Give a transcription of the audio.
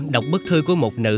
đọc bức thư của một nữ